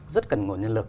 rất cần nguồn nhân lực